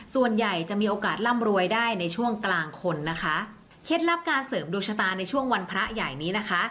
ส่วนใหญ่จะมีโอกาสร่ำรวยได้ในช่วงกลางคนนะคะเคล็ดลับการเสริมดวงชะตาในช่วงวันพระใหญ่นี้นะคะ